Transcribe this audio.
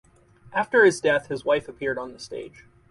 After his death his wife appeared on the stage.